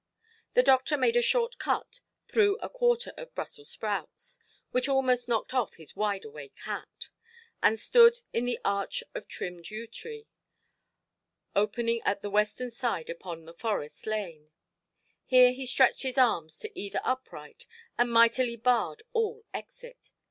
The doctor made a short cut through a quarter of Brussels sprouts (which almost knocked off his wide–awake hat) and stood in the arch of trimmed yew–tree, opening at the western side upon the forest lane. Here he stretched his arms to either upright, and mightily barred all exit.